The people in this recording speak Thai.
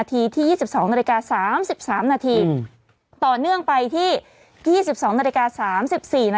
ต่อเนื่องไปที่๒๒น๓๔น